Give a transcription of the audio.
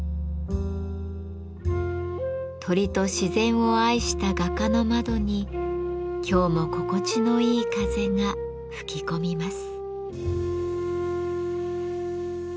鳥と自然を愛した画家の窓に今日も心地のいい風が吹き込みます。